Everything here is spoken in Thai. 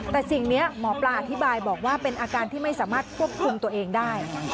แต่สิ่งนี้หมอปลาอธิบายบอกว่าเป็นอาการที่ไม่สามารถควบคุมตัวเองได้